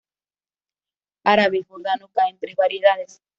Árabe jordano cae en tres variedades